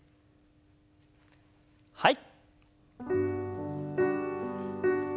はい。